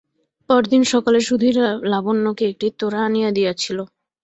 পরদিন সকালে সুধীর লাবণ্যকে একটি তোড়া আনিয়া দিয়াছিল।